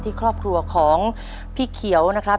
ครอบครัวของพี่เขียวนะครับ